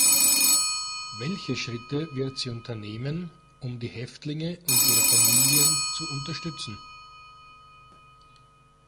Welche Schritte wird sie unternehmen, um die Häftlinge und ihre Familien zu unterstützen?